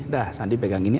dah sandi pegang ini